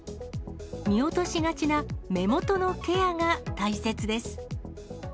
見落としがちな目元のケアが大切です。